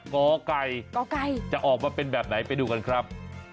ก็ออกมาเป็นแบบไหนไปดูกันครับ